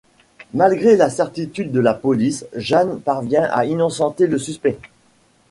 Malgré la certitude de la police, Jeanne parvient à innocenter le suspect.